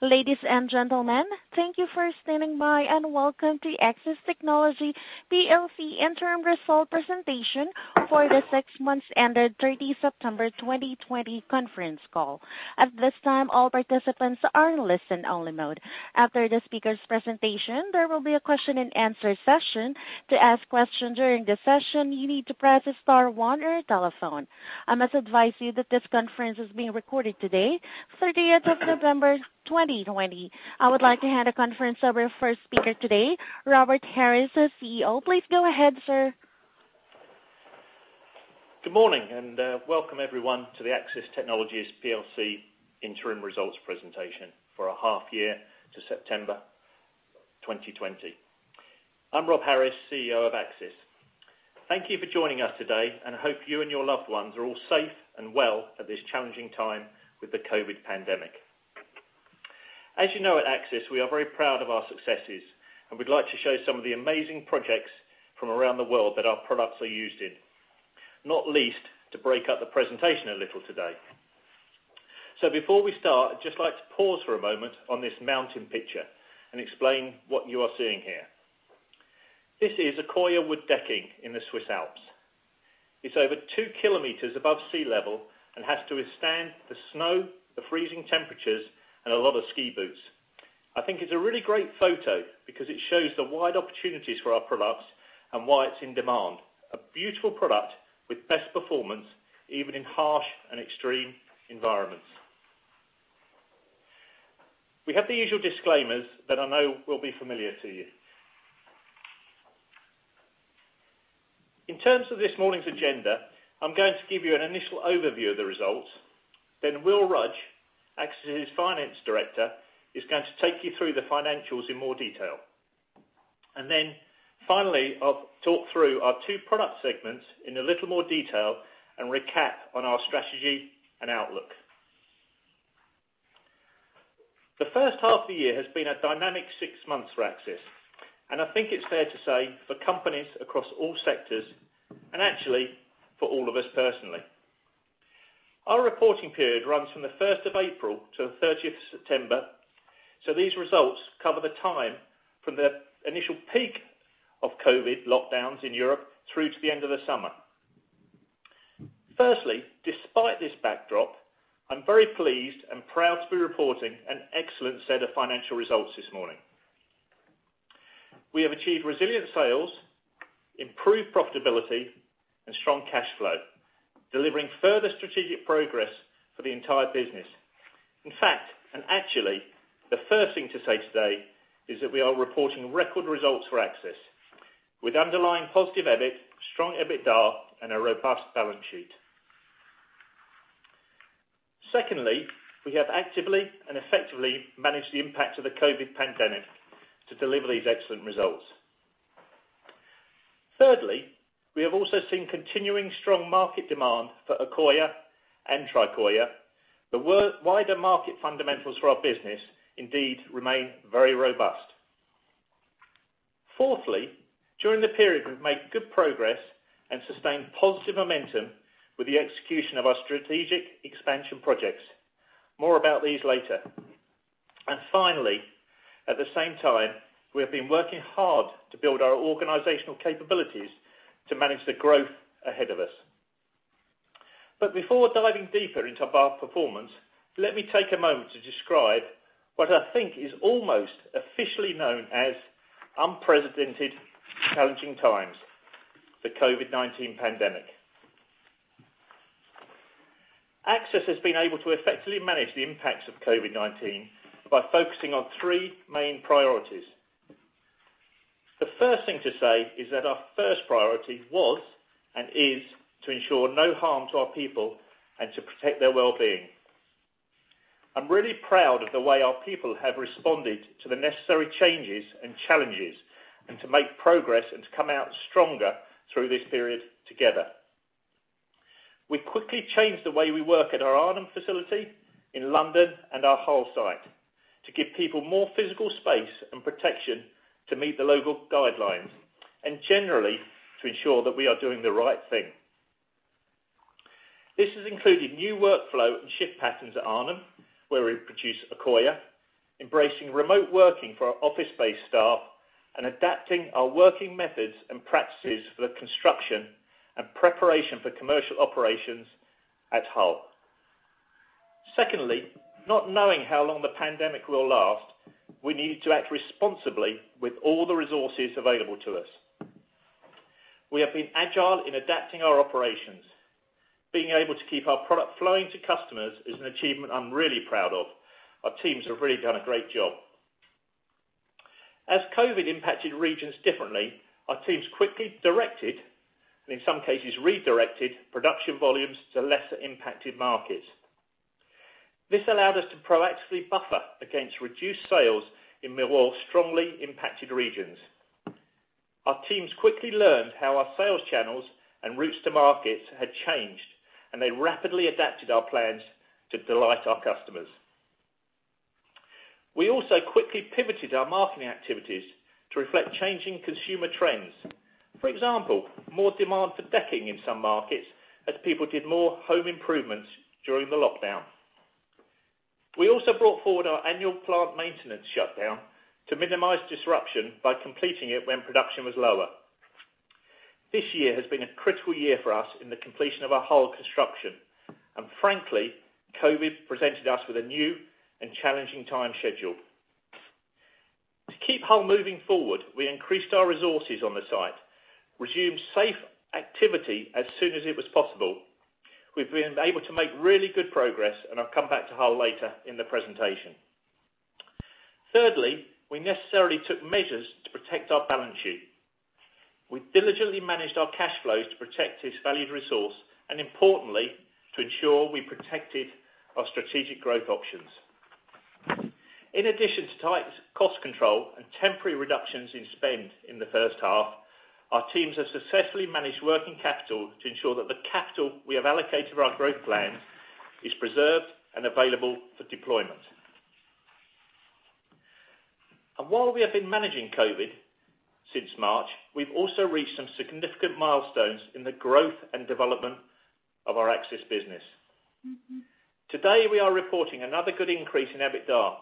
Ladies and gentlemen, thank you for standing by, and welcome to Accsys Technologies PLC interim result presentation for the six months ended 30 September 2020 conference call. At this time, all participants are in listen only mode. After the speakers' presentation, there will be a question and answer session. To ask questions during the session, you need to press star one on your telephone. I must advise you that this conference is being recorded today, 30th of November 2020. I would like to hand the conference over to our first speaker today, Robert Harris, our CEO. Please go ahead, sir. Good morning, and welcome everyone to the Accsys Technologies PLC interim results presentation for a half year to September 2020. I'm Rob Harris, CEO of Accsys. Thank you for joining us today, and hope you and your loved ones are all safe and well at this challenging time with the COVID pandemic. As you know, at Accsys, we are very proud of our successes, and we'd like to show some of the amazing projects from around the world that our products are used in. Not least, to break up the presentation a little today. Before we start, I'd just like to pause for a moment on this mountain picture and explain what you are seeing here. This is Accoya wood decking in the Swiss Alps. It's over 2 km above sea level and has to withstand the snow, the freezing temperatures, and a lot of ski boots. I think it's a really great photo because it shows the wide opportunities for our products and why it's in demand. A beautiful product with best performance, even in harsh and extreme environments. We have the usual disclaimers that I know will be familiar to you. In terms of this morning's agenda, I'm going to give you an initial overview of the results, then Will Rudge, Accsys' Finance Director, is going to take you through the financials in more detail. Then finally, I'll talk through our two product segments in a little more detail and recap on our strategy and outlook. The first half of the year has been a dynamic six months for Accsys, and I think it's fair to say for companies across all sectors and actually for all of us personally. Our reporting period runs from the 1st of April to the 30th of September, so these results cover the time from the initial peak of COVID-19 lockdowns in Europe through to the end of the summer. Despite this backdrop, I'm very pleased and proud to be reporting an excellent set of financial results this morning. We have achieved resilient sales, improved profitability, and strong cash flow, delivering further strategic progress for the entire business. The first thing to say today is that we are reporting record results for Accsys, with underlying positive EBIT, strong EBITDA, and a robust balance sheet. We have actively and effectively managed the impact of the COVID-19 pandemic to deliver these excellent results. We have also seen continuing strong market demand for Accoya and Tricoya. The wider market fundamentals for our business indeed remain very robust. Fourthly, during the period, we've made good progress and sustained positive momentum with the execution of our strategic expansion projects. More about these later. Finally, at the same time, we have been working hard to build our organizational capabilities to manage the growth ahead of us. Before diving deeper into our performance, let me take a moment to describe what I think is almost officially known as unprecedented challenging times, the COVID-19 pandemic. Accsys has been able to effectively manage the impacts of COVID-19 by focusing on three main priorities. The first thing to say is that our first priority was and is to ensure no harm to our people and to protect their well-being. I'm really proud of the way our people have responded to the necessary changes and challenges, and to make progress and to come out stronger through this period together. We quickly changed the way we work at our Arnhem facility in London and our Hull site to give people more physical space and protection to meet the local guidelines and generally to ensure that we are doing the right thing. This has included new workflow and shift patterns at Arnhem, where we produce Accoya, embracing remote working for our office-based staff, and adapting our working methods and practices for the construction and preparation for commercial operations at Hull. Secondly, not knowing how long the pandemic will last, we needed to act responsibly with all the resources available to us. We have been agile in adapting our operations. Being able to keep our product flowing to customers is an achievement I'm really proud of. Our teams have really done a great job. As COVID impacted regions differently, our teams quickly directed, and in some cases redirected, production volumes to lesser impacted markets. This allowed us to proactively buffer against reduced sales in more strongly impacted regions. Our teams quickly learned how our sales channels and routes to markets had changed, and they rapidly adapted our plans to delight our customers. We also quickly pivoted our marketing activities to reflect changing consumer trends. For example, more demand for decking in some markets as people did more home improvements during the lockdown. We also brought forward our annual plant maintenance shutdown to minimize disruption by completing it when production was lower. This year has been a critical year for us in the completion of our Hull construction. Frankly, COVID presented us with a new and challenging time schedule. To keep Hull moving forward, we increased our resources on the site, resumed safe activity as soon as it was possible. We've been able to make really good progress, and I'll come back to Hull later in the presentation. Thirdly, we necessarily took measures to protect our balance sheet. We diligently managed our cash flows to protect this valued resource, and importantly, to ensure we protected our strategic growth options. In addition to tight cost control and temporary reductions in spend in the first half, our teams have successfully managed working capital to ensure that the capital we have allocated for our growth plans is preserved and available for deployment. While we have been managing COVID since March, we've also reached some significant milestones in the growth and development of our Accsys business. Today, we are reporting another good increase in EBITDA.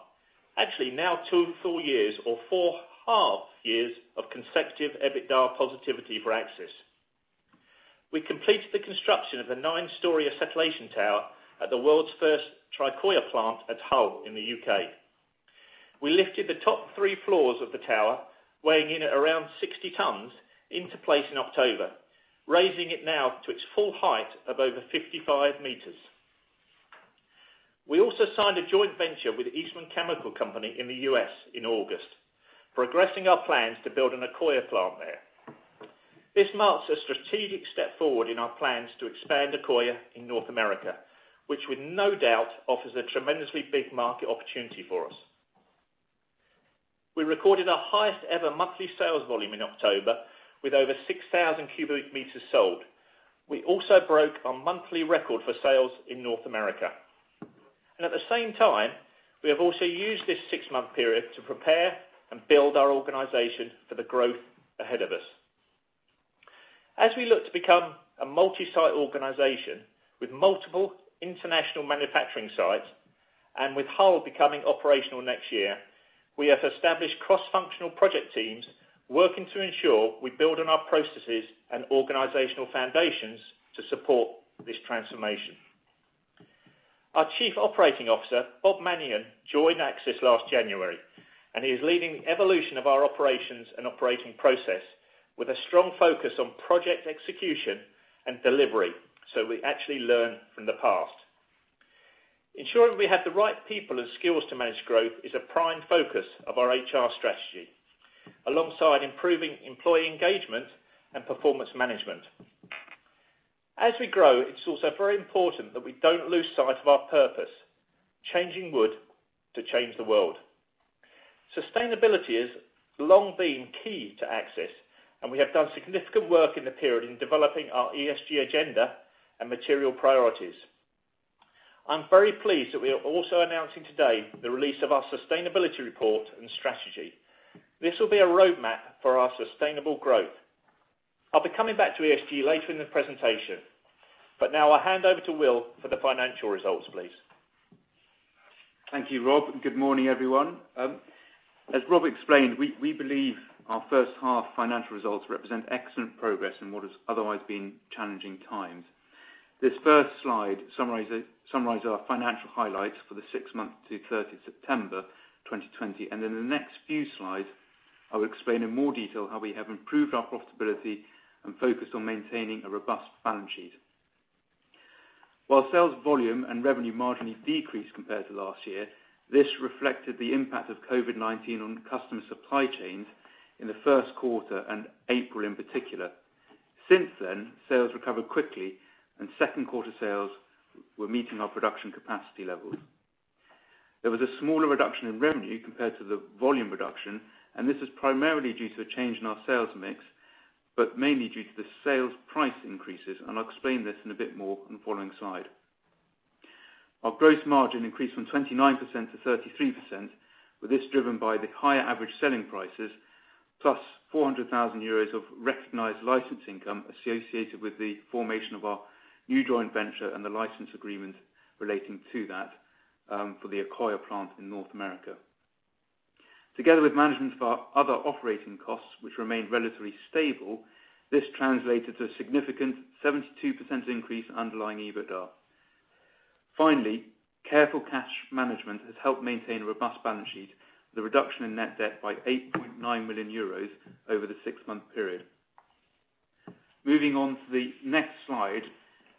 Actually now two full years or four half years of consecutive EBITDA positivity for Accsys. We completed the construction of a nine-story acetylation tower at the world's first Tricoya plant at Hull in the U.K. We lifted the top three floors of the tower, weighing in at around 60 tons, into place in October, raising it now to its full height of over 55 m. We also signed a joint venture with the Eastman Chemical Company in the U.S. in August, progressing our plans to build an Accoya plant there. This marks a strategic step forward in our plans to expand Accoya in North America, which with no doubt offers a tremendously big market opportunity for us. We recorded our highest-ever monthly sales volume in October, with over 6,000 cubic meters sold. We also broke our monthly record for sales in North America. At the same time, we have also used this six-month period to prepare and build our organization for the growth ahead of us. We look to become a multi-site organization with multiple international manufacturing sites, and with Hull becoming operational next year, we have established cross-functional project teams working to ensure we build on our processes and organizational foundations to support this transformation. Our Chief Operating Officer, Bob Mannion, joined Accsys last January. He is leading the evolution of our operations and operating process with a strong focus on project execution and delivery. We actually learn from the past. Ensuring we have the right people and skills to manage growth is a prime focus of our HR strategy, alongside improving employee engagement and performance management. We grow, it's also very important that we don't lose sight of our purpose: changing wood to change the world. Sustainability has long been key to Accsys, and we have done significant work in the period in developing our ESG agenda and material priorities. I'm very pleased that we are also announcing today the release of our sustainability report and strategy. This will be a roadmap for our sustainable growth. I'll be coming back to ESG later in the presentation, but now I'll hand over to Will for the financial results, please. Thank you, Rob, and good morning, everyone. As Rob explained, we believe our first half financial results represent excellent progress in what has otherwise been challenging times. This first slide summarizes our financial highlights for the six months to 30 September 2020, and in the next few slides, I will explain in more detail how we have improved our profitability and focused on maintaining a robust balance sheet. While sales volume and revenue margin decreased compared to last year, this reflected the impact of COVID-19 on customer supply chains in the first quarter and April in particular. Since then, sales recovered quickly and second quarter sales were meeting our production capacity levels. There was a smaller reduction in revenue compared to the volume reduction, and this is primarily due to a change in our sales mix, but mainly due to the sales price increases, and I'll explain this in a bit more in the following slide. Our gross margin increased from 29%-33%, with this driven by the higher average selling prices, plus 400,000 euros of recognized license income associated with the formation of our new joint venture and the license agreement relating to that for the Accoya plant in North America. Together with management of our other operating costs, which remained relatively stable, this translated to a significant 72% increase in underlying EBITDA. Finally, careful cash management has helped maintain a robust balance sheet, with a reduction in net debt by 8.9 million euros over the six-month period. Moving on to the next slide,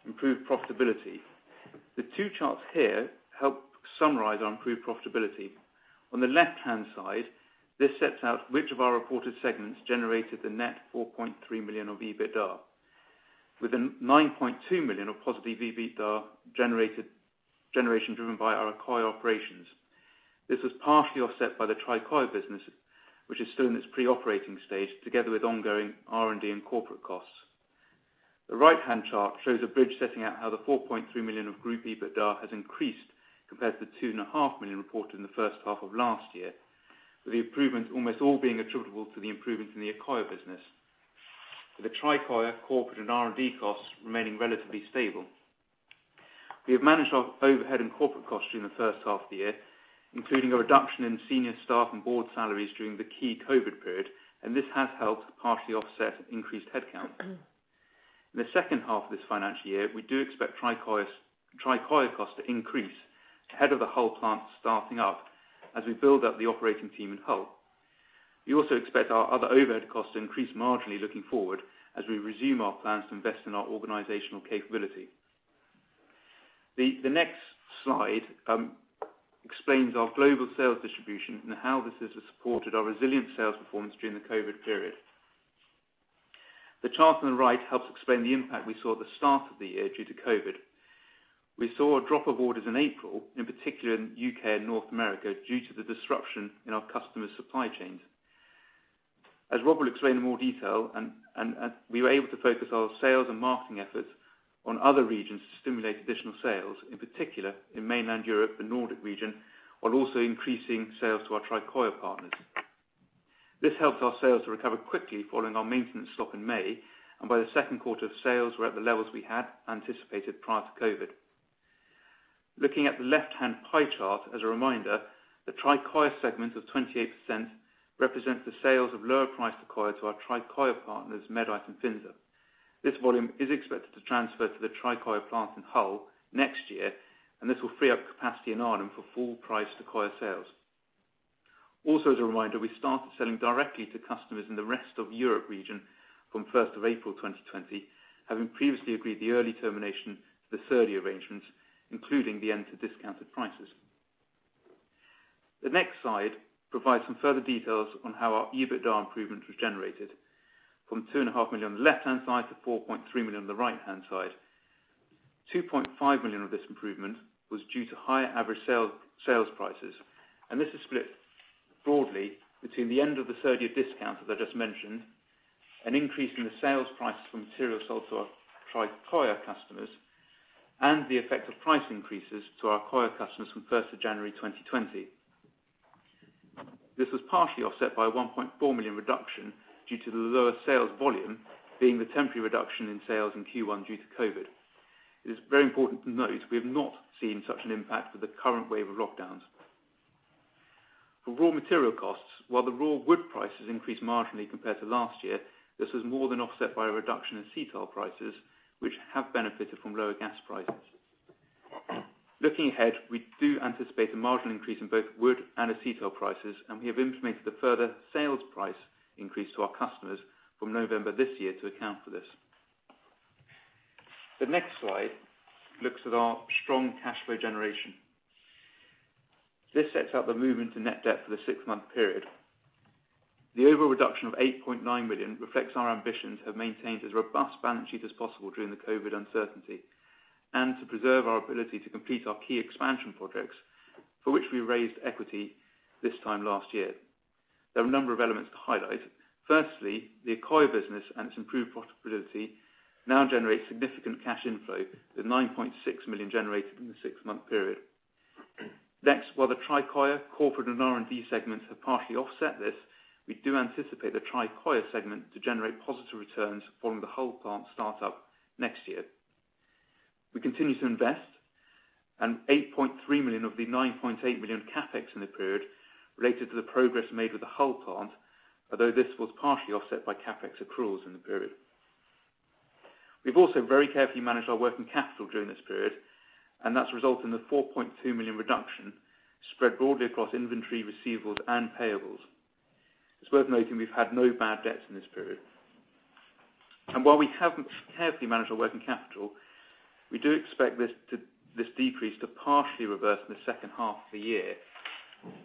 improved profitability. The two charts here help summarize our improved profitability. On the left-hand side, this sets out which of our reported segments generated the net 4.3 million of EBITDA, with the 9.2 million of positive EBITDA generation driven by our Accoya operations. This was partially offset by the Tricoya business, which is still in its pre-operating stage, together with ongoing R&D and corporate costs. The right-hand chart shows a bridge setting out how the 4.3 million of group EBITDA has increased compared to the 2.5 million reported in the first half of last year, with the improvements almost all being attributable to the improvements in the Accoya business, with the Tricoya, corporate, and R&D costs remaining relatively stable. We have managed our overhead and corporate costs during the first half of the year, including a reduction in senior staff and board salaries during the key COVID period. This has helped partially offset increased headcount. In the second half of this financial year, we do expect Tricoya costs to increase ahead of the Hull plant starting up as we build out the operating team in Hull. We also expect our other overhead costs to increase marginally looking forward as we resume our plans to invest in our organizational capability. The next slide explains our global sales distribution and how this has supported our resilient sales performance during the COVID period. The chart on the right helps explain the impact we saw at the start of the year due to COVID. We saw a drop of orders in April, in particular in U.K. and North America, due to the disruption in our customers' supply chains. As Rob will explain in more detail, we were able to focus our sales and marketing efforts on other regions to stimulate additional sales, in particular in mainland Europe and Nordic region, while also increasing sales to our Tricoya partners. This helped our sales to recover quickly following our maintenance stop in May, and by the second quarter, sales were at the levels we had anticipated prior to COVID. Looking at the left-hand pie chart as a reminder, the Tricoya segment of 28% represents the sales of lower priced Accoya to our Tricoya partners, Medite and Finsa. This volume is expected to transfer to the Tricoya plant in Hull next year, and this will free up capacity in Arnhem for full price Accoya sales. Also, as a reminder, we started selling directly to customers in the rest of Europe region from April 1, 2020, having previously agreed the early termination of the Cerdia arrangements, including the end to discounted prices. The next slide provides some further details on how our EBITDA improvement was generated from 2.5 million on the left-hand side to 4.3 million on the right-hand side. 2.5 million of this improvement was due to higher average sales prices, and this is split broadly between the end of the Cerdia discount, as I just mentioned, an increase in the sales price for material sold to our Tricoya customers, and the effect of price increases to our Accoya customers from January 1, 2020. This was partially offset by a 1.4 million reduction due to the lower sales volume, being the temporary reduction in sales in Q1 due to COVID. It is very important to note we have not seen such an impact with the current wave of lockdowns. For raw material costs, while the raw wood prices increased marginally compared to last year, this was more than offset by a reduction in acetyl prices, which have benefited from lower gas prices. Looking ahead, we do anticipate a marginal increase in both wood and acetyl prices. We have implemented a further sales price increase to our customers from November this year to account for this. The next slide looks at our strong cash flow generation. This sets out the movement in net debt for the six-month period. The overall reduction of 8.9 million reflects our ambition to have maintained as robust balance sheet as possible during the COVID-19 uncertainty and to preserve our ability to complete our key expansion projects, for which we raised equity this time last year. There are a number of elements to highlight. Firstly, the Accoya business and its improved profitability now generate significant cash inflow, with 9.6 million generated in the six-month period. While the Tricoya, corporate, and R&D segments have partially offset this, we do anticipate the Tricoya segment to generate positive returns following the Hull plant start-up next year. We continue to invest, and 8.3 million of the 9.8 million CapEx in the period related to the progress made with the Hull plant, although this was partially offset by CapEx accruals in the period. We've also very carefully managed our working capital during this period, and that's resulted in the 4.2 million reduction spread broadly across inventory, receivables, and payables. It's worth noting we've had no bad debts in this period. While we have carefully managed our working capital, we do expect this decrease to partially reverse in the second half of the year,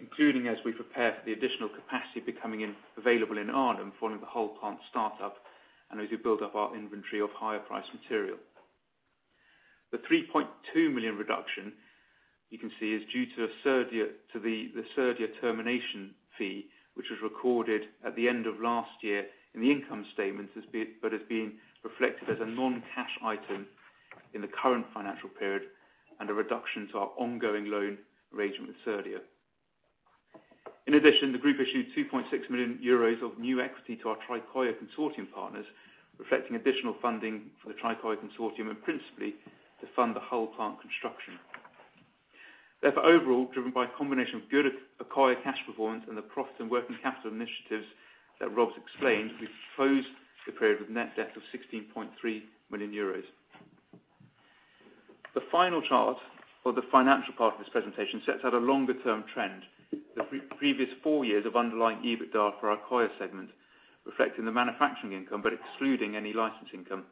including as we prepare for the additional capacity becoming available in Arnhem following the Hull plant start-up and as we build up our inventory of higher priced material. The 3.2 million reduction you can see is due to the Cerdia termination fee, which was recorded at the end of last year in the income statement, but is being reflected as a non-cash item in the current financial period and a reduction to our ongoing loan arrangement with Cerdia. The group issued 2.6 million euros of new equity to our Tricoya consortium partners, reflecting additional funding for the Tricoya consortium and principally to fund the Hull plant construction. Therefore, overall, driven by a combination of good Accoya cash performance and the profit and working capital initiatives that Rob's explained, we closed the period with net debt of 16.3 million euros. The final chart for the financial part of this presentation sets out a longer-term trend. The previous four years of underlying EBITDA for our Accoya segment, reflecting the manufacturing income, but excluding any license income.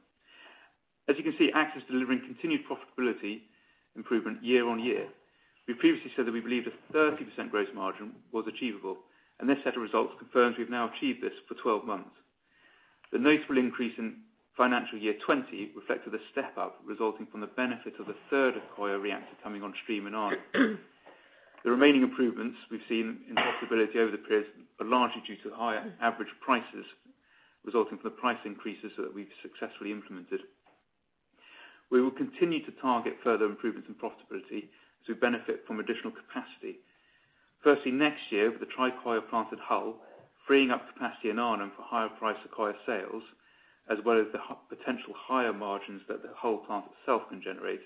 As you can see, Accsys delivering continued profitability improvement year-on-year. We previously said that we believed a 30% gross margin was achievable, and this set of results confirms we've now achieved this for 12 months. The notable increase in financial year 2020 reflected a step-up resulting from the benefit of the third Accoya reactor coming on stream in Arnhem. The remaining improvements we've seen in profitability over the period are largely due to the higher average prices resulting from the price increases that we've successfully implemented. We will continue to target further improvements in profitability to benefit from additional capacity. Firstly, next year with the Tricoya plant at Hull, freeing up capacity in Arnhem for higher price Accoya sales, as well as the potential higher margins that the Hull plant itself can generate.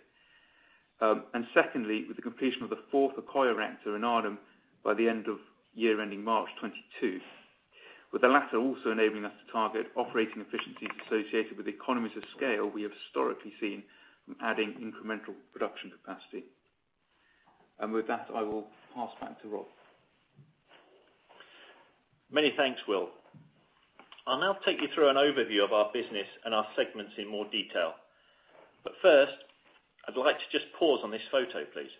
Secondly, with the completion of the fourth Accoya reactor in Arnhem by the end of year ending March 2022. With the latter also enabling us to target operating efficiencies associated with economies of scale we have historically seen from adding incremental production capacity. With that, I will pass back to Rob. Many thanks, Will. I'll now take you through an overview of our business and our segments in more detail. First, I'd like to just pause on this photo, please.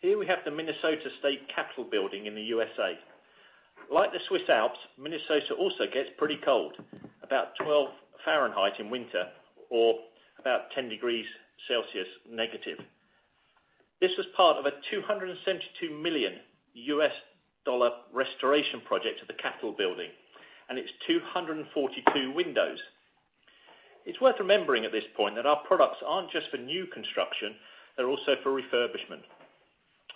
Here we have the Minnesota State Capitol building in the U.S.A. Like the Swiss Alps, Minnesota also gets pretty cold, about 12 Fahrenheit in winter, or about 10 degrees Celsius negative. This is part of a $272 million restoration project of the Capitol building, and its 242 windows. It's worth remembering at this point that our products aren't just for new construction, they're also for refurbishment.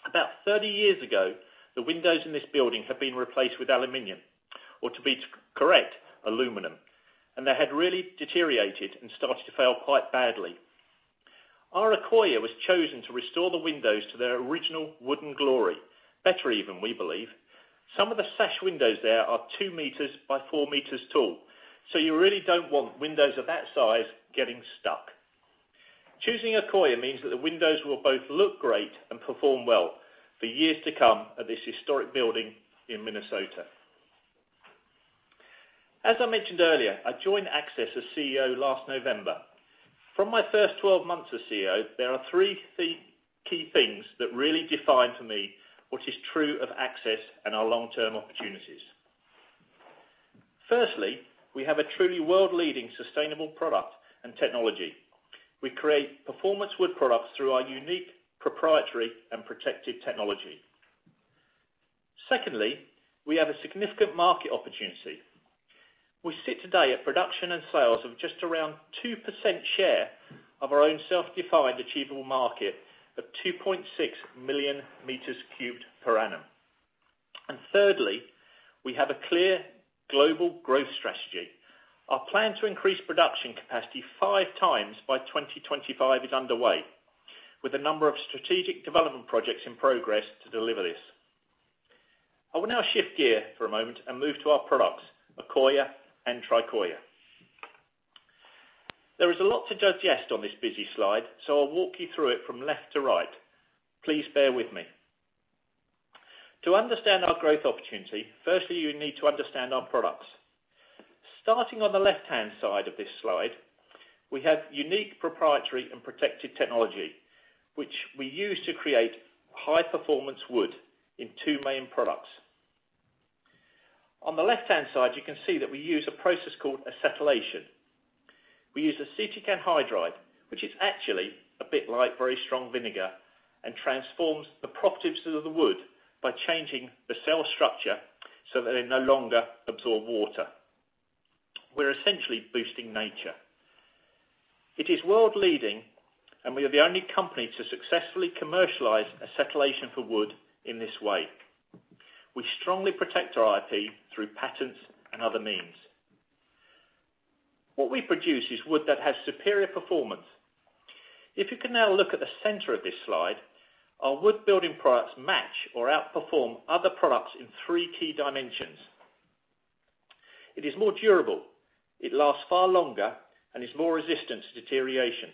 About 30 years ago, the windows in this building had been replaced with aluminum, or to be correct, aluminum, and they had really deteriorated and started to fail quite badly. Our Accoya was chosen to restore the windows to their original wooden glory. Better even, we believe. Some of the sash windows there are 2 m by 4 m tall. You really don't want windows of that size getting stuck. Choosing Accoya means that the windows will both look great and perform well for years to come at this historic building in Minnesota. As I mentioned earlier, I joined Accsys as CEO last November. From my first 12 months as CEO, there are three key things that really define for me what is true of Accsys and our long-term opportunities. Firstly, we have a truly world-leading sustainable product and technology. We create performance wood products through our unique proprietary and protected technology. Secondly, we have a significant market opportunity. We sit today at production and sales of just around 2% share of our own self-defined achievable market of 2.6 million cubic meters per annum. Thirdly, we have a clear global growth strategy. Our plan to increase production capacity 5x by 2025 is underway, with a number of strategic development projects in progress to deliver this. I will now shift gear for a moment and move to our products, Accoya and Tricoya. There is a lot to digest on this busy slide, so I'll walk you through it from left to right. Please bear with me. To understand our growth opportunity, firstly, you need to understand our products. Starting on the left-hand side of this slide, we have unique proprietary and protected technology, which we use to create high performance wood in two main products. On the left-hand side, you can see that we use a process called acetylation. We use acetic anhydride, which is actually a bit like very strong vinegar, and transforms the properties of the wood by changing the cell structure so that they no longer absorb water. We're essentially boosting nature. It is world leading, and we are the only company to successfully commercialize acetylation for wood in this way. We strongly protect our IP through patents and other means. What we produce is wood that has superior performance. If you can now look at the center of this slide, our wood building products match or outperform other products in three key dimensions. It is more durable. It lasts far longer and is more resistant to deterioration.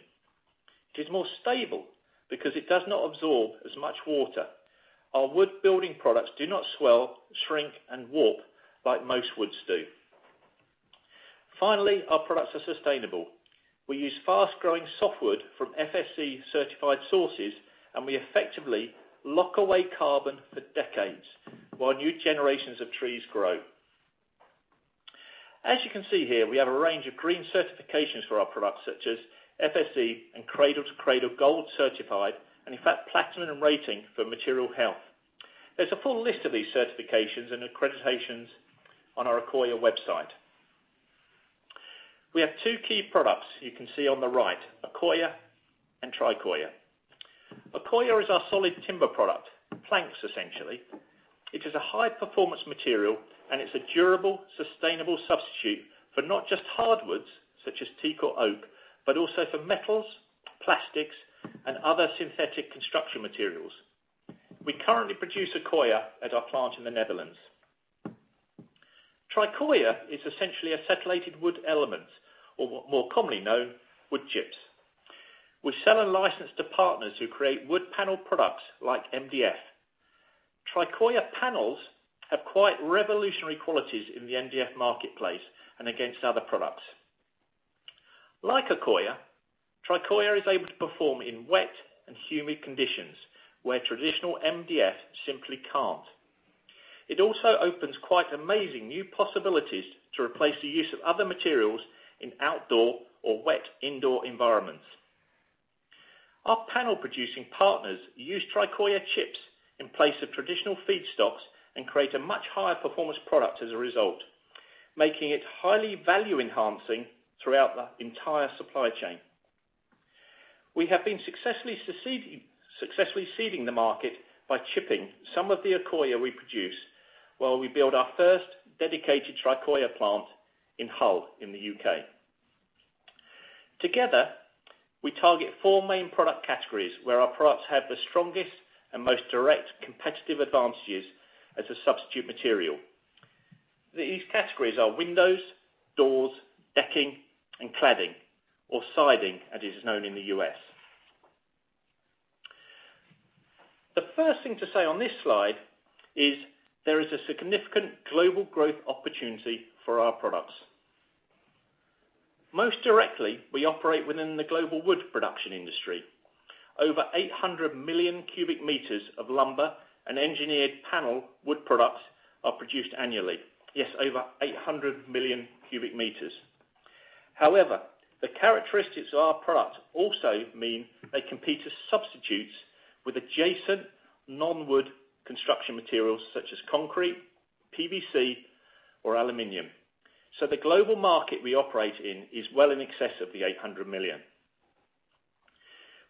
It is more stable because it does not absorb as much water. Our wood building products do not swell, shrink, and warp like most woods do. Finally, our products are sustainable. We use fast-growing softwood from FSC certified sources, and we effectively lock away carbon for decades while new generations of trees grow. As you can see here, we have a range of green certifications for our products such as FSC and Cradle to Cradle Certified Gold, and in fact, platinum rating for material health. There's a full list of these certifications and accreditations on our Accoya website. We have two key products you can see on the right, Accoya and Tricoya. Accoya is our solid timber product, planks essentially. It is a high performance material, and it's a durable, sustainable substitute for not just hardwoods such as teak or oak, but also for metals, plastics, and other synthetic construction materials. We currently produce Accoya at our plant in the Netherlands. Tricoya is essentially acetylated wood elements, or more commonly known, wood chips. We sell and license to partners who create wood panel products like MDF. Tricoya panels have quite revolutionary qualities in the MDF marketplace and against other products. Like Accoya, Tricoya is able to perform in wet and humid conditions where traditional MDF simply can't. It also opens quite amazing new possibilities to replace the use of other materials in outdoor or wet indoor environments. Our panel producing partners use Tricoya chips in place of traditional feedstocks and create a much higher performance product as a result, making it highly value enhancing throughout the entire supply chain. We have been successfully seeding the market by chipping some of the Accoya we produce, while we build our first dedicated Tricoya plant in Hull in the U.K. Together, we target four main product categories, where our products have the strongest and most direct competitive advantages as a substitute material. These categories are windows, doors, decking, and cladding, or siding, as it is known in the U.S. The first thing to say on this slide is there is a significant global growth opportunity for our products. Most directly, we operate within the global wood production industry. Over 800 million cubic meters of lumber and engineered panel wood products are produced annually. Yes, over 800 million cubic meters. The characteristics of our product also mean they compete as substitutes with adjacent non-wood construction materials such as concrete, PVC, or aluminum. The global market we operate in is well in excess of the 800 million.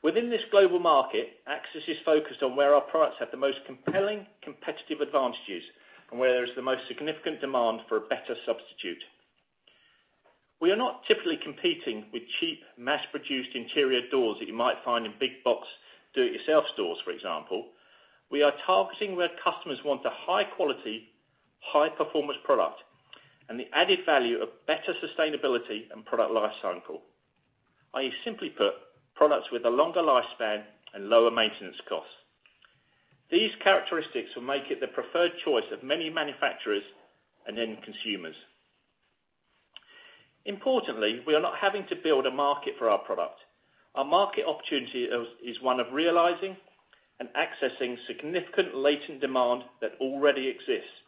Within this global market, Accsys is focused on where our products have the most compelling competitive advantages and where there is the most significant demand for a better substitute. We are not typically competing with cheap, mass-produced interior doors that you might find in big box do-it-yourself stores, for example. We are targeting where customers want a high quality, high performance product, and the added value of better sustainability and product life cycle. i.e., simply put, products with a longer lifespan and lower maintenance costs. These characteristics will make it the preferred choice of many manufacturers and end consumers. Importantly, we are not having to build a market for our product. Our market opportunity is one of realizing and accessing significant latent demand that already exists.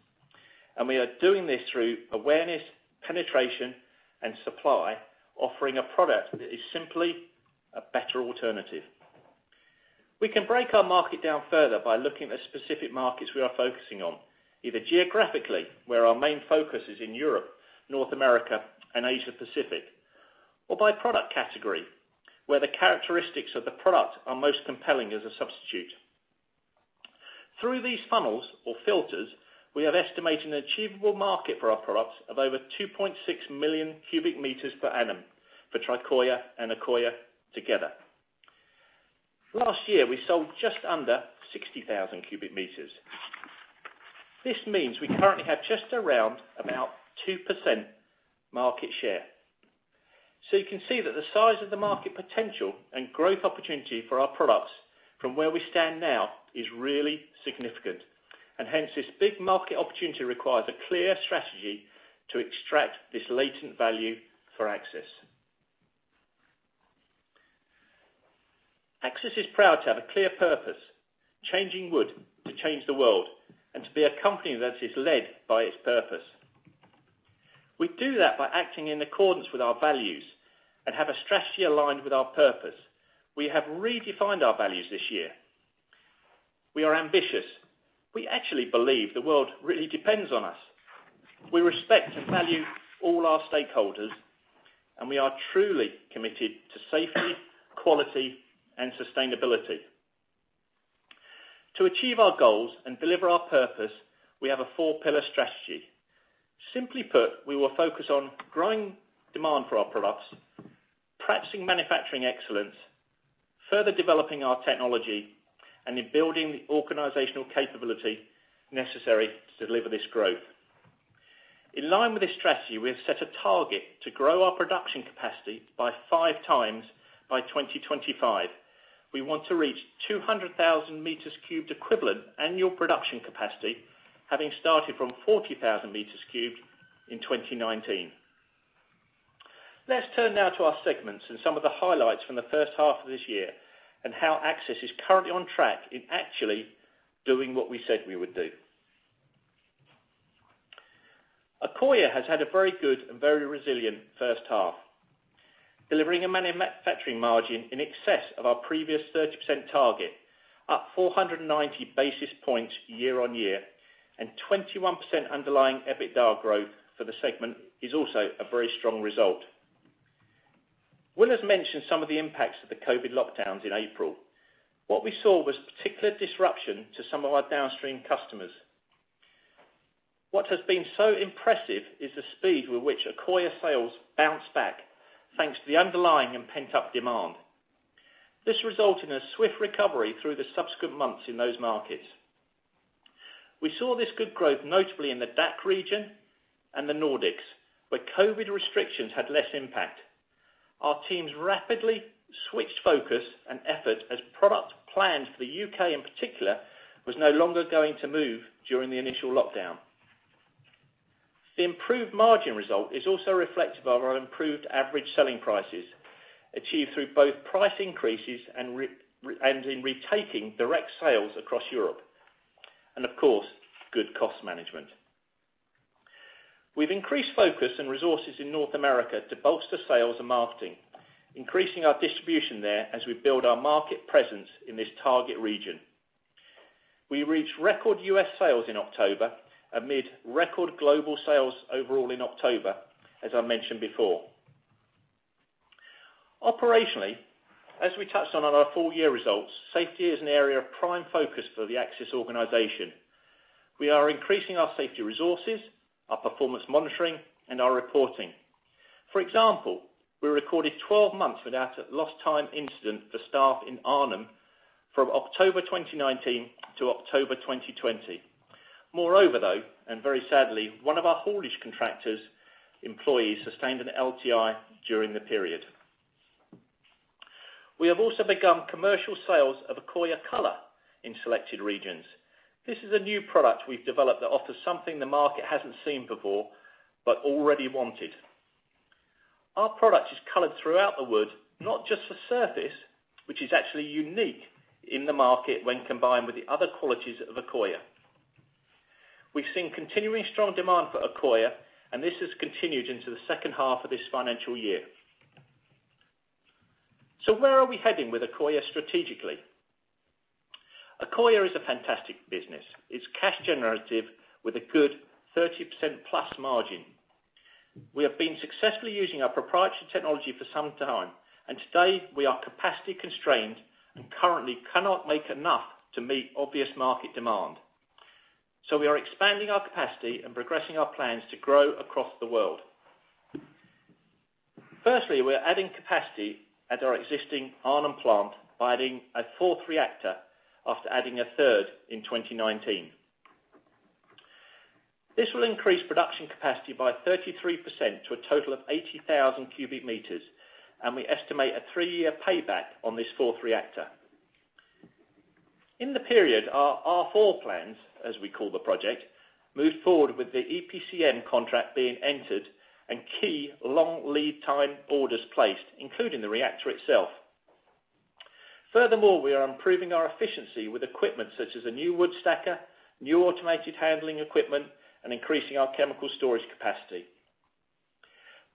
We are doing this through awareness, penetration, and supply, offering a product that is simply a better alternative. We can break our market down further by looking at specific markets we are focusing on, either geographically, where our main focus is in Europe, North America, and Asia Pacific, or by product category, where the characteristics of the product are most compelling as a substitute. Through these funnels or filters, we have estimated an achievable market for our products of over 2.6 million cubic meters per annum for Tricoya and Accoya together. Last year, we sold just under 60,000 cubic meters. This means we currently have just around about 2% market share. You can see that the size of the market potential and growth opportunity for our products from where we stand now is really significant. Hence this big market opportunity requires a clear strategy to extract this latent value for Accsys. Accsys is proud to have a clear purpose, changing wood to change the world, and to be a company that is led by its purpose. We do that by acting in accordance with our values and have a strategy aligned with our purpose. We have redefined our values this year. We are ambitious. We actually believe the world really depends on us. We respect and value all our stakeholders, and we are truly committed to safety, quality, and sustainability. To achieve our goals and deliver our purpose, we have a four pillar strategy. Simply put, we will focus on growing demand for our products, practicing manufacturing excellence, further developing our technology, and in building the organizational capability necessary to deliver this growth. In line with this strategy, we have set a target to grow our production capacity by 5x by 2025. We want to reach 200,000 cubic meters equivalent annual production capacity, having started from 40,000 cubic meters in 2019. Let's turn now to our segments and some of the highlights from the first half of this year and how Accsys is currently on track in actually doing what we said we would do. Accoya has had a very good and very resilient first half, delivering a manufacturing margin in excess of our previous 30% target, up 490 basis points year-on-year, and 21% underlying EBITDA growth for the segment is also a very strong result. Will has mentioned some of the impacts of the COVID lockdowns in April. What we saw was particular disruption to some of our downstream customers. What has been so impressive is the speed with which Accoya sales bounced back, thanks to the underlying and pent-up demand. This resulted in a swift recovery through the subsequent months in those markets. We saw this good growth, notably in the DACH region and the Nordics, where COVID restrictions had less impact. Our teams rapidly switched focus and effort as product planned for the U.K. in particular, was no longer going to move during the initial lockdown. The improved margin result is also reflective of our improved average selling prices, achieved through both price increases and in retaking direct sales across Europe, and of course, good cost management. We've increased focus and resources in North America to bolster sales and marketing, increasing our distribution there as we build our market presence in this target region. We reached record U.S. sales in October, amid record global sales overall in October, as I mentioned before. Operationally, as we touched on in our full year results, safety is an area of prime focus for the Accsys organization. We are increasing our safety resources, our performance monitoring, and our reporting. For example, we recorded 12 months without a lost time incident for staff in Arnhem from October 2019 to October 2020. Very sadly, one of our haulage contractors' employees sustained an LTI during the period. We have also begun commercial sales of Accoya Color in selected regions. This is a new product we've developed that offers something the market hasn't seen before, but already wanted. Our product is colored throughout the wood, not just the surface, which is actually unique in the market when combined with the other qualities of Accoya. We've seen continuing strong demand for Accoya, this has continued into the second half of this financial year. Where are we heading with Accoya strategically? Accoya is a fantastic business. It's cash generative with a good 30%+ margin. We have been successfully using our proprietary technology for some time, and today we are capacity constrained and currently cannot make enough to meet obvious market demand. We are expanding our capacity and progressing our plans to grow across the world. Firstly, we are adding capacity at our existing Arnhem plant by adding a fourth reactor after adding 1/3 in 2019. This will increase production capacity by 33% to a total of 80,000 cubic meters, and we estimate a three-year payback on this fourth reactor. In the period, our R4 plans, as we call the project, moved forward with the EPCM contract being entered and key long lead time orders placed, including the reactor itself. Furthermore, we are improving our efficiency with equipment such as a new wood stacker, new automated handling equipment, and increasing our chemical storage capacity.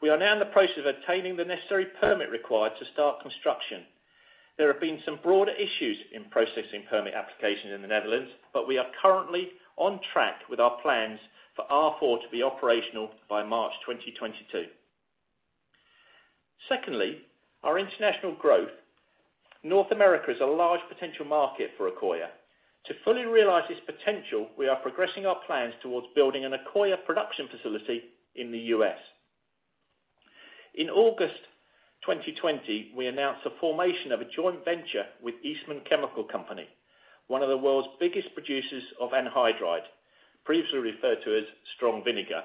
We are now in the process of obtaining the necessary permit required to start construction. There have been some broader issues in processing permit applications in the Netherlands, but we are currently on track with our plans for R4 to be operational by March 2022. Secondly, our international growth. North America is a large potential market for Accoya. To fully realize its potential, we are progressing our plans towards building an Accoya production facility in the U.S. In August 2020, we announced the formation of a joint venture with Eastman Chemical Company, one of the world's biggest producers of anhydride, previously referred to as strong vinegar,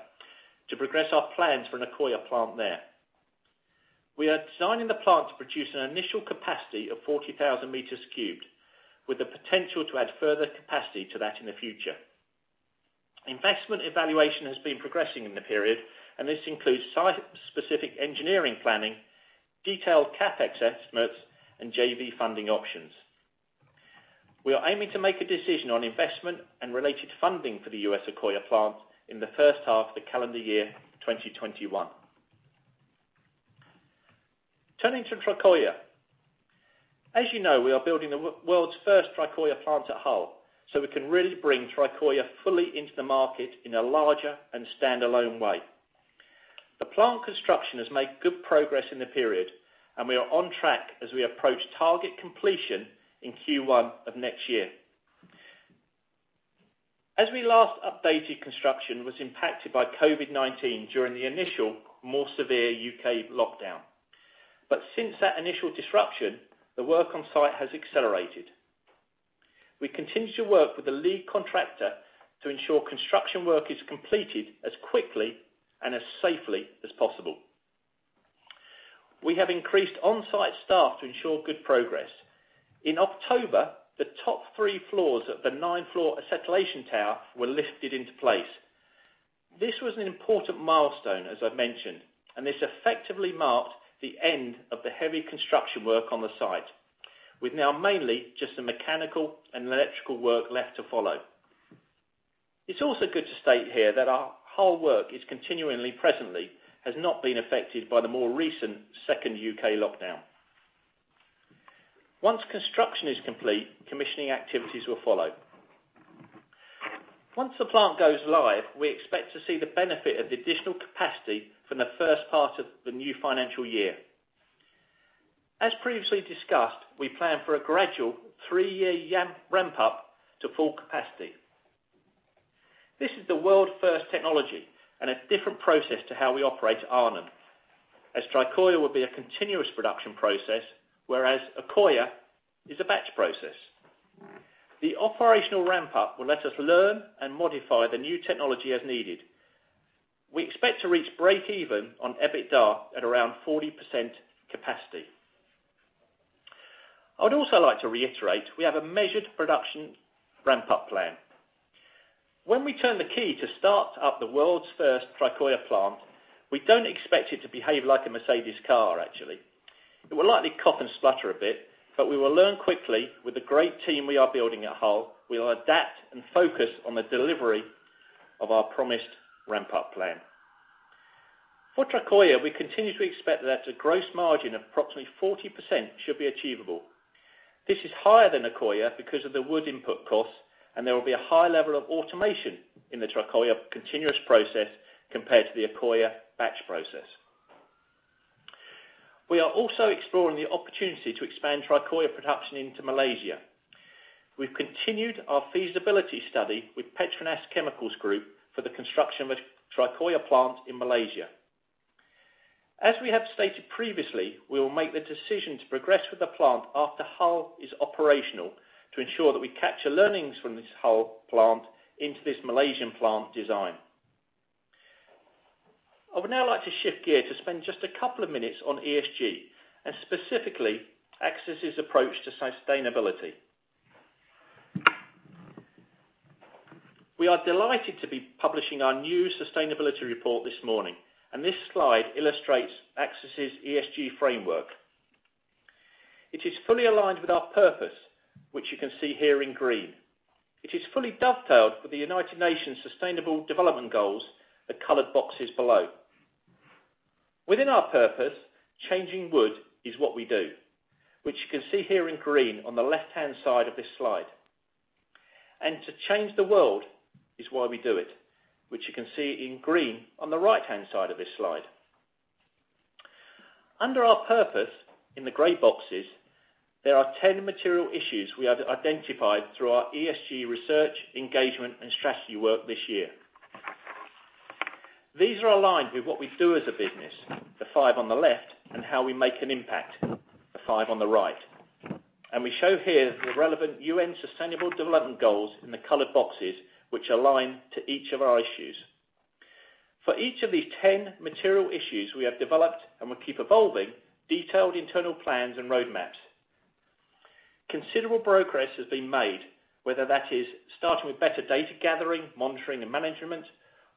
to progress our plans for an Accoya plant there. We are designing the plant to produce an initial capacity of 40,000 cubic meters, with the potential to add further capacity to that in the future. Investment evaluation has been progressing in the period, and this includes site-specific engineering planning, detailed CapEx estimates, and JV funding options. We are aiming to make a decision on investment and related funding for the U.S. Accoya plant in the first half of the calendar year 2021. Turning to Tricoya. As you know, we are building the world's first Tricoya plant at Hull, so we can really bring Tricoya fully into the market in a larger and standalone way. The plant construction has made good progress in the period, and we are on track as we approach target completion in Q1 of next year. As we last updated, construction was impacted by COVID-19 during the initial, more severe U.K. lockdown. Since that initial disruption, the work on site has accelerated. We continue to work with the lead contractor to ensure construction work is completed as quickly and as safely as possible. We have increased on-site staff to ensure good progress. In October, the top three floors of the nine-floor acetylation tower were lifted into place. This was an important milestone, as I've mentioned. This effectively marked the end of the heavy construction work on the site, with now mainly just the mechanical and electrical work left to follow. It's also good to state here that our whole work is continually presently, has not been affected by the more recent second U.K. lockdown. Once construction is complete, commissioning activities will follow. Once the plant goes live, we expect to see the benefit of the additional capacity from the first part of the new financial year. As previously discussed, we plan for a gradual three-year ramp up to full capacity. This is the world-first technology and a different process to how we operate at Arnhem, as Tricoya will be a continuous production process, whereas Accoya is a batch process. The operational ramp-up will let us learn and modify the new technology as needed. We expect to reach break even on EBITDA at around 40% capacity. I would also like to reiterate, we have a measured production ramp-up plan. When we turn the key to start up the world's first Tricoya plant, we don't expect it to behave like a Mercedes car, actually. It will likely cough and splutter a bit, but we will learn quickly with the great team we are building at Hull. We will adapt and focus on the delivery of our promised ramp-up plan. For Tricoya, we continue to expect that a gross margin of approximately 40% should be achievable. This is higher than Accoya because of the wood input costs, and there will be a high level of automation in the Tricoya continuous process compared to the Accoya batch process. We are also exploring the opportunity to expand Tricoya production into Malaysia. We've continued our feasibility study with PETRONAS Chemicals Group for the construction of a Tricoya plant in Malaysia. As we have stated previously, we will make the decision to progress with the plant after Hull is operational to ensure that we capture learnings from this Hull plant into this Malaysian plant design. I would now like to shift gear to spend just a couple of minutes on ESG, and specifically Accsys' approach to sustainability. We are delighted to be publishing our new sustainability report this morning, and this slide illustrates Accsys' ESG framework. It is fully aligned with our purpose, which you can see here in green. It is fully dovetailed with the United Nations Sustainable Development Goals, the colored boxes below. Within our purpose, changing wood is what we do, which you can see here in green on the left-hand side of this slide. To change the world is why we do it, which you can see in green on the right-hand side of this slide. Under our purpose, in the gray boxes, there are 10 material issues we have identified through our ESG research, engagement, and strategy work this year. These are aligned with what we do as a business, the five on the left, and how we make an impact, the five on the right. We show here the relevant UN Sustainable Development Goals in the colored boxes, which align to each of our issues. For each of these 10 material issues, we have developed and will keep evolving detailed internal plans and roadmaps. Considerable progress has been made, whether that is starting with better data gathering, monitoring, and management,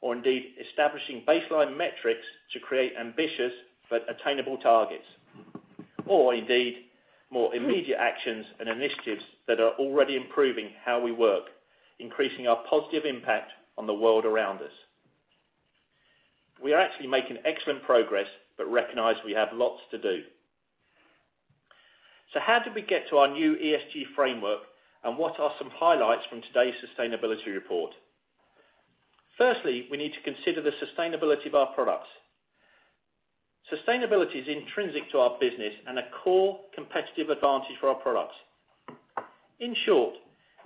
or indeed establishing baseline metrics to create ambitious but attainable targets, or indeed more immediate actions and initiatives that are already improving how we work, increasing our positive impact on the world around us. We are actually making excellent progress but recognize we have lots to do. How did we get to our new ESG framework, and what are some highlights from today's sustainability report? Firstly, we need to consider the sustainability of our products. Sustainability is intrinsic to our business and a core competitive advantage for our products. In short,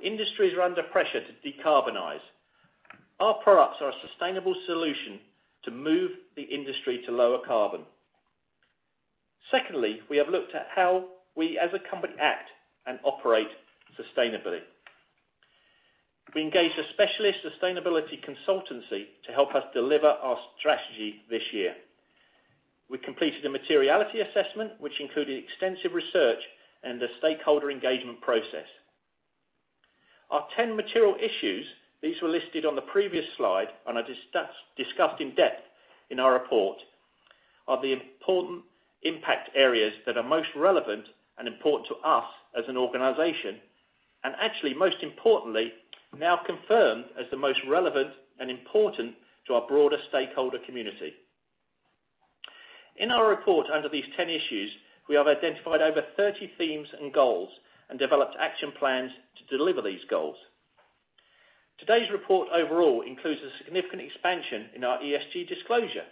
industries are under pressure to decarbonize. Our products are a sustainable solution to move the industry to lower carbon. Secondly, we have looked at how we as a company act and operate sustainably. We engaged a specialist sustainability consultancy to help us deliver our strategy this year. We completed a materiality assessment, which included extensive research and a stakeholder engagement process. Our 10 material issues, these were listed on the previous slide and are discussed in depth in our report, are the important impact areas that are most relevant and important to us as an organization, and actually most importantly, now confirmed as the most relevant and important to our broader stakeholder community. In our report under these 10 issues, we have identified over 30 themes and goals and developed action plans to deliver these goals. Today's report overall includes a significant expansion in our ESG disclosure.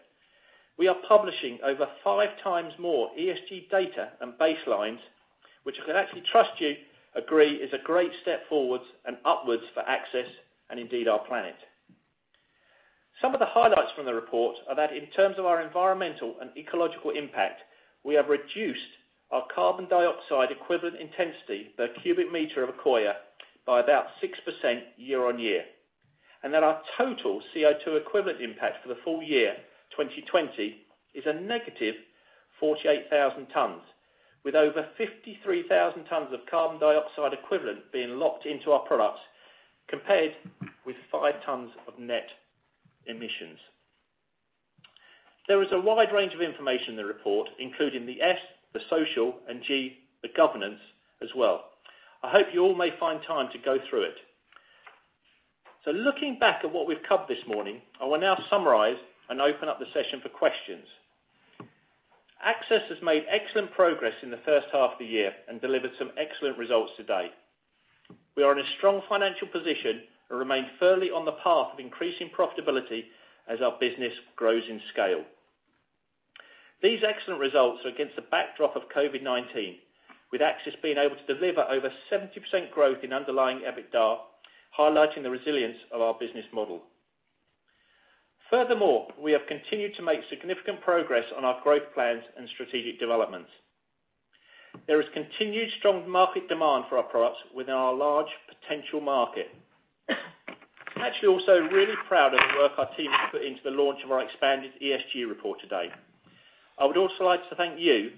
We are publishing over 5x more ESG data and baselines, which I can actually trust you agree is a great step forwards and upwards for Accsys, and indeed our planet. Some of the highlights from the report are that in terms of our environmental and ecological impact, we have reduced our carbon dioxide equivalent intensity per cubic meter of Accoya by about 6% year-on-year. That our total CO2 equivalent impact for the full year 2020 is a -48,000 tons, with over 53,000 tons of carbon dioxide equivalent being locked into our products compared with 5,000 tons of net emissions. There is a wide range of information in the report, including the S, the social, and G, the governance as well. I hope you all may find time to go through it. Looking back at what we've covered this morning, I will now summarize and open up the session for questions. Accsys has made excellent progress in the first half of the year and delivered some excellent results to date. We are in a strong financial position and remain firmly on the path of increasing profitability as our business grows in scale. These excellent results are against the backdrop of COVID-19, with Accsys being able to deliver over 70% growth in underlying EBITDA, highlighting the resilience of our business model. Furthermore, we have continued to make significant progress on our growth plans and strategic developments. There is continued strong market demand for our products within our large potential market. I'm actually also really proud of the work our team has put into the launch of our expanded ESG report today. I would also like to thank you,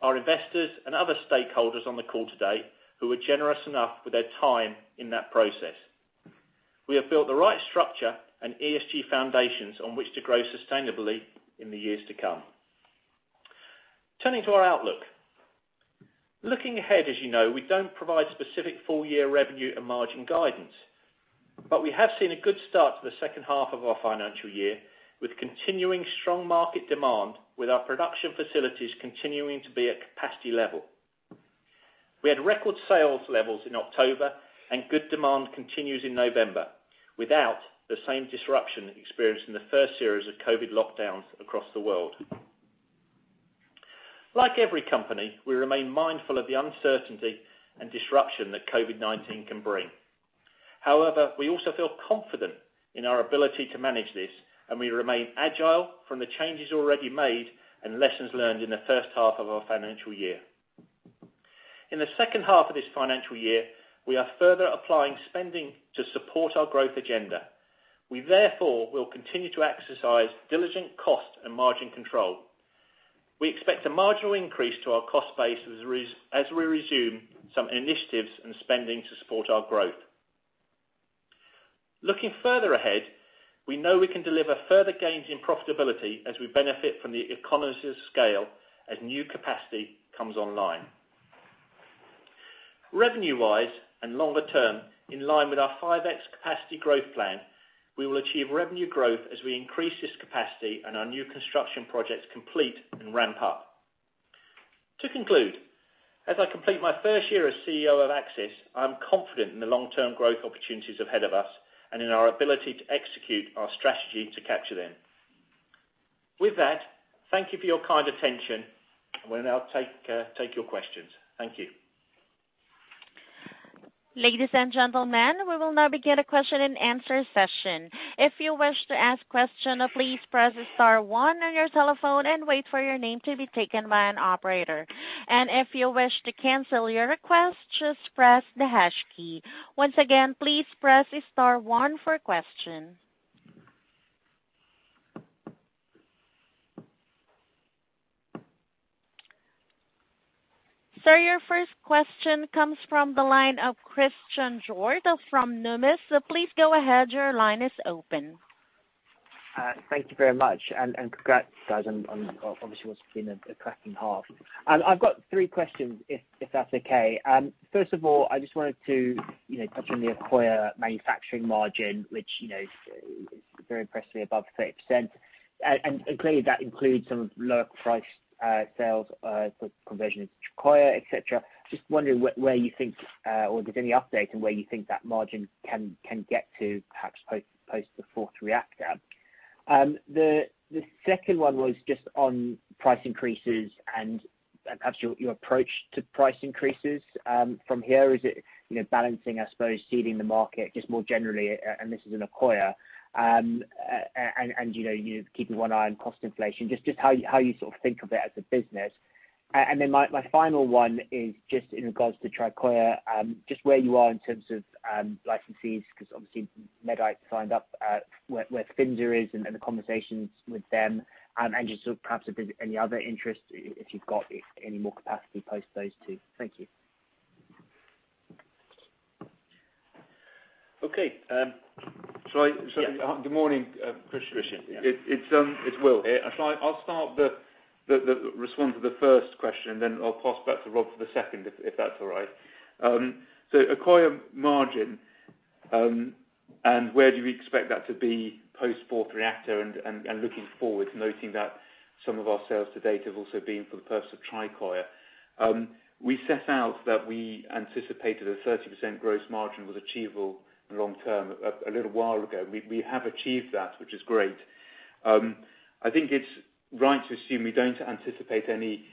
our investors and other stakeholders on the call today, who were generous enough with their time in that process. We have built the right structure and ESG foundations on which to grow sustainably in the years to come. Turning to our outlook. Looking ahead, as you know, we don't provide specific full-year revenue and margin guidance. We have seen a good start to the second half of our financial year, with continuing strong market demand with our production facilities continuing to be at capacity level. We had record sales levels in October, good demand continues in November, without the same disruption experienced in the first series of COVID lockdowns across the world. Like every company, we remain mindful of the uncertainty and disruption that COVID-19 can bring. However, we also feel confident in our ability to manage this, and we remain agile from the changes already made and lessons learned in the first half of our financial year. In the second half of this financial year, we are further applying spending to support our growth agenda. We therefore will continue to exercise diligent cost and margin control. We expect a marginal increase to our cost base as we resume some initiatives and spending to support our growth. Looking further ahead, we know we can deliver further gains in profitability as we benefit from the economies of scale as new capacity comes online. Revenue-wise and longer-term, in line with our 5x capacity growth plan, we will achieve revenue growth as we increase this capacity and our new construction projects complete and ramp up. To conclude, as I complete my first year as CEO of Accsys, I am confident in the long-term growth opportunities ahead of us and in our ability to execute our strategy to capture them. With that, thank you for your kind attention. We'll now take your questions. Thank you. Ladies and gentlemen, we will now begin a question and answer session. If you wish to ask question, please press star one on your telephone and wait for your name to be taken by an operator. If you wish to cancel your request, just press the hash key. Once again, please press star one for question. Sir, your first question comes from the line of Christian George from Numis. Please go ahead. Your line is open. Thank you very much. Congrats, guys, on obviously what's been a cracking half. I've got three questions, if that's okay. First of all, I just wanted to touch on the Accoya manufacturing margin, which is very impressively above 30%. Clearly that includes some lower priced sales for conversion into Tricoya, etc. Just wondering where you think, or if there's any update on where you think that margin can get to perhaps post the fourth reactor. The second one was just on price increases and perhaps your approach to price increases from here. Is it balancing, I suppose, seeding the market just more generally, and this is in Accoya, and you keeping one eye on cost inflation, just how you think of it as a business? My final one is just in regards to Tricoya, just where you are in terms of licensees, because obviously Medite signed up, where Finsa is and the conversations with them, and just sort of perhaps if there's any other interest, if you've got any more capacity post those two. Thank you. Okay. Shall I? Yeah. Good morning, Christian. Christian, yeah. It's Will here. I'll start respond to the first question, then I'll pass back to Rob for the second, if that's all right. Accoya margin, and where do we expect that to be post fourth reactor and looking forward, noting that some of our sales to date have also been for the purpose of Tricoya. We set out that we anticipated a 30% gross margin was achievable long-term a little while ago, and we have achieved that, which is great. I think it's right to assume we don't anticipate any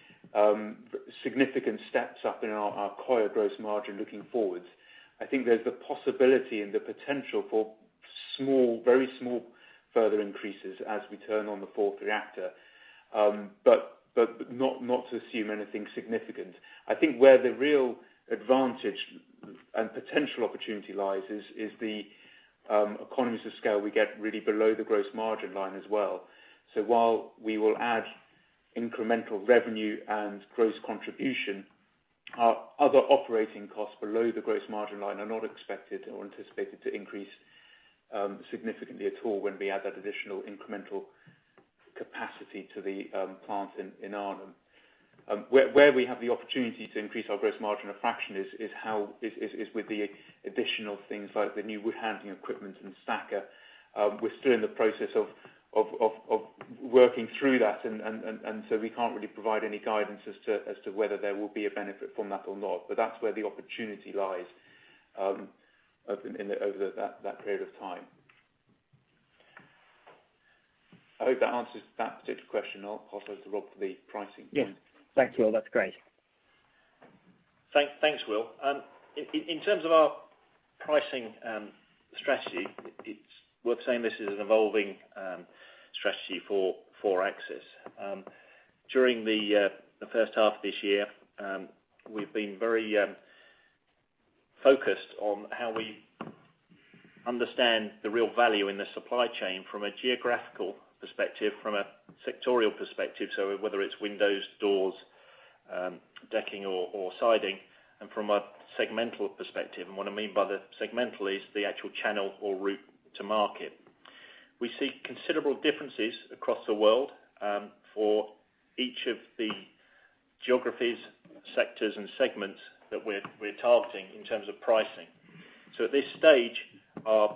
significant steps up in our Accoya gross margin looking forward. I think there's the possibility and the potential for very small further increases as we turn on the fourth reactor. Not to assume anything significant. I think where the real advantage and potential opportunity lies is the economies of scale we get really below the gross margin line as well. While we will add incremental revenue and gross contribution, our other operating costs below the gross margin line are not expected or anticipated to increase significantly at all when we add that additional incremental capacity to the plant in Arnhem. Where we have the opportunity to increase our gross margin a fraction is with the additional things like the new wood handling equipment and stacker. We're still in the process of working through that, and so we can't really provide any guidance as to whether there will be a benefit from that or not. That's where the opportunity lies over that period of time. I hope that answers that particular question. I'll pass over to Rob for the pricing. Yeah. Thank you. That's great. Thanks, Will. In terms of our pricing strategy, it's worth saying this is an evolving strategy for Accsys. During the first half of this year, we've been very focused on how we understand the real value in the supply chain from a geographical perspective, from a sectorial perspective, so whether it's windows, doors, decking, or siding, and from a segmental perspective. What I mean by the segmental is the actual channel or route to market. We see considerable differences across the world for each of the geographies, sectors, and segments that we're targeting in terms of pricing. At this stage, our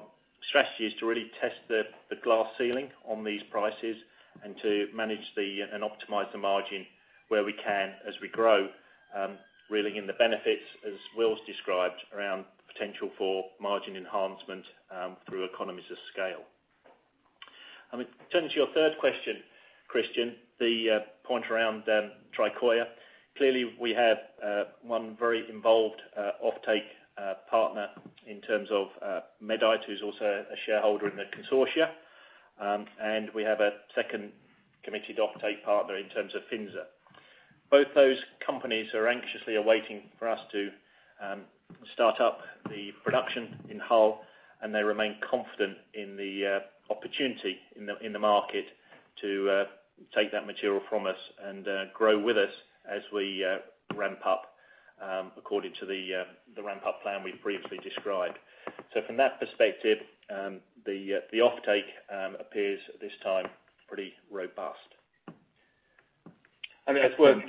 strategy is to really test the glass ceiling on these prices and to manage and optimize the margin where we can as we grow, reeling in the benefits, as Will's described, around potential for margin enhancement through economies of scale. Turning to your third question, Christian, the point around Tricoya. Clearly, we have one very involved offtake partner in terms of Medite, who's also a shareholder in the consortia. We have a second committed offtake partner in terms of Finsa. Both those companies are anxiously awaiting for us to start up the production in Hull, and they remain confident in the opportunity in the market to take that material from us and grow with us as we ramp up according to the ramp-up plan we've previously described. From that perspective, the offtake appears, at this time, pretty robust. It's worth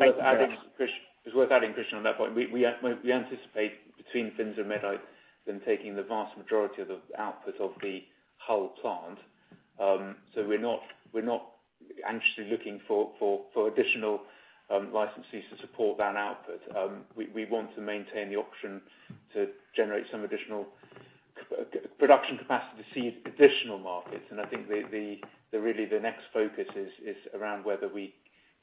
adding, Christian, on that point, we anticipate between Finsa and Medite them taking the vast majority of the output of the Hull plant. We're not anxiously looking for additional licensees to support that output. We want to maintain the option to generate some additional production capacity to seed additional markets. I think really the next focus is around whether we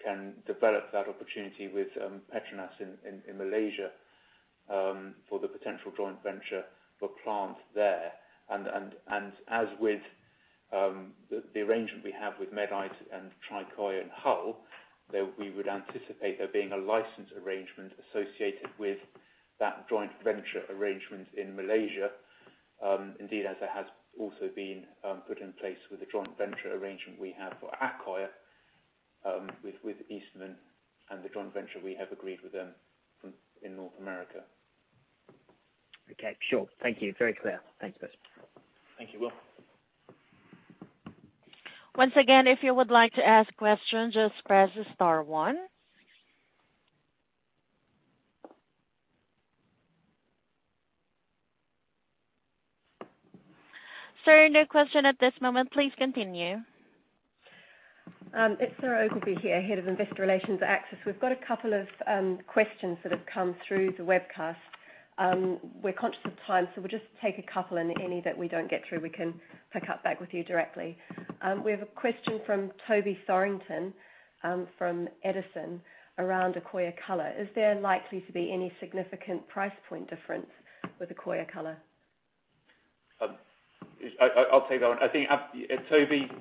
can develop that opportunity with PETRONAS in Malaysia for the potential joint venture for a plant there. As with the arrangement we have with Medite and Tricoya in Hull, we would anticipate there being a license arrangement associated with that joint venture arrangement in Malaysia. Indeed, as there has also been put in place with the joint venture arrangement we have for Accoya with Eastman and the joint venture we have agreed with them in North America. Okay, sure. Thank you. Very clear. Thanks, guys. Thank you, Will. Once again, if you would like to ask questions, just press star one. Sir, no question at this moment. Please continue. It's Sarah Ogilvie here, Head of Investor Relations at Accsys. We've got a couple of questions that have come through the webcast. We're conscious of time, so we'll just take a couple, and any that we don't get through, we can pick up back with you directly. We have a question from Toby Thorrington from Edison around Accoya Color. Is there likely to be any significant price point difference with Accoya Color? I'll take that one. Toby,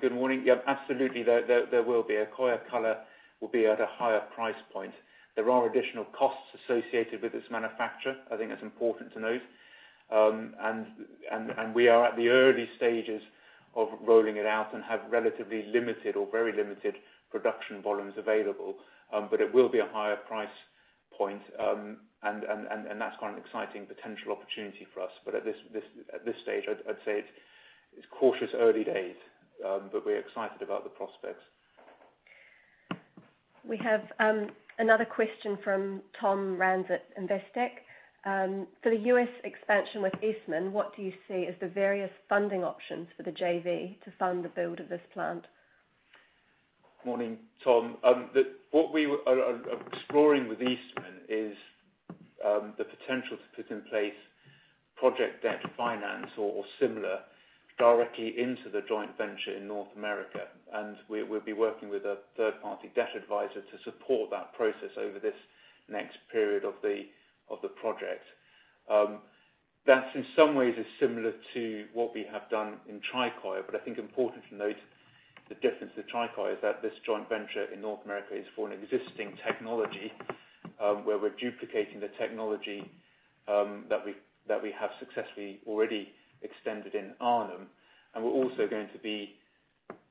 good morning. Yeah, absolutely, there will be. Accoya Color will be at a higher price point. There are additional costs associated with its manufacture, I think that's important to note. We are at the early stages of rolling it out and have relatively limited or very limited production volumes available. It will be a higher price point, and that's quite an exciting potential opportunity for us. At this stage, I'd say it's cautious early days, but we're excited about the prospects. We have another question from Thomas Rands at Investec. For the U.S. expansion with Eastman, what do you see as the various funding options for the JV to fund the build of this plant? Morning, Tom. What we are exploring with Eastman is the potential to put in place project debt finance or similar directly into the joint venture in North America, we'll be working with a third-party debt advisor to support that process over this next period of the project. That in some ways is similar to what we have done in Tricoya, but I think important to note the difference with Tricoya is that this joint venture in North America is for an existing technology where we're duplicating the technology that we have successfully already extended in Arnhem. We're also going to be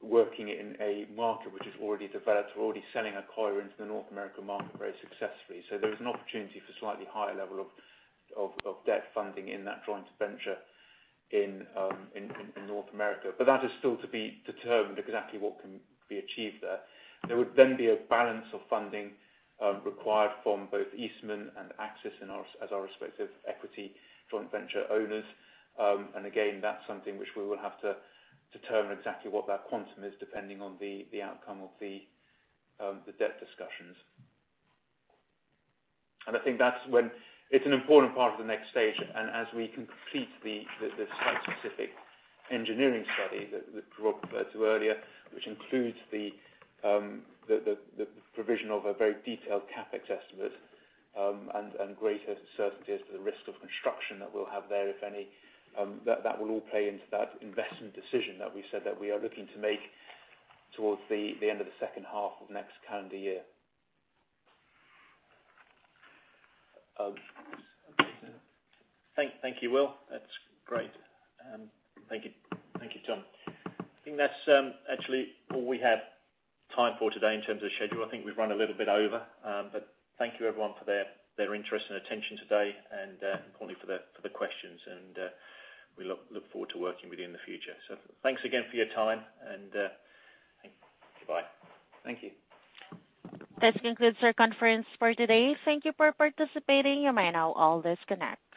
working in a market which is already developed. We're already selling Accoya into the North American market very successfully. There is an opportunity for slightly higher level of debt funding in that joint venture in North America. That is still to be determined exactly what can be achieved there. There would then be a balance of funding required from both Eastman and Accsys as our respective equity joint venture owners. Again, that's something which we will have to determine exactly what that quantum is depending on the outcome of the debt discussions. I think that's when it's an important part of the next stage, as we complete the site-specific engineering study that Rob referred to earlier, which includes the provision of a very detailed CapEx estimate and greater certainty as to the risk of construction that we'll have there, if any. That will all play into that investment decision that we said that we are looking to make towards the end of the second half of next calendar year. Thank you, Will. That's great. Thank you, Tom. I think that's actually all we have time for today in terms of schedule. I think we've run a little bit over. Thank you, everyone, for their interest and attention today and importantly for the questions. We look forward to working with you in the future. Thanks again for your time, and goodbye. Thank you. This concludes our conference for today. Thank you for participating. You may now all disconnect.